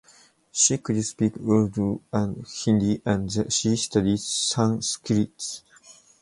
She could speak Urdu and Hindi and she studied Sanskrit.